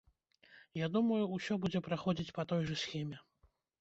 Я думаю, усё будзе праходзіць па той жа схеме.